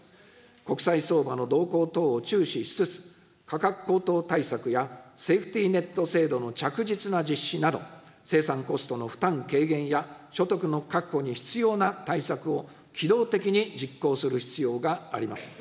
国際相場の動向等を注視しつつ、価格高騰対策やセーフティネット制度の着実な実施など、生産コストの負担軽減や所得の確保に必要な対策を機動的に実行する必要があります。